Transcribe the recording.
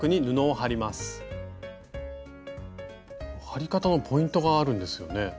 張り方のポイントがあるんですよね？